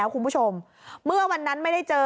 คุณผู้ชมเมื่อวันนั้นไม่ได้เจอ